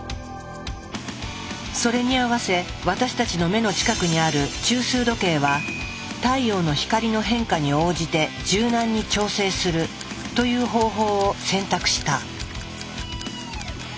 それに合わせ私たちの目の近くにある中枢時計は太陽の光の変化に応じて柔軟に調整するという方法を選択した。